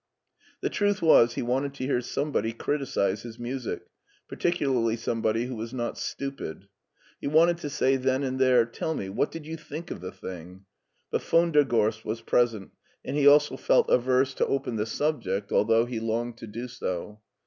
The truth was he wanted to hear somebody criticize his music, particularly somebody who was not stupid. He wanted to say then and there, *'Tell me what did you think of the thing ?" but von der Gorst was present, and he also f dt averse to open the LEIPSIC 95 subject although he longed to do so.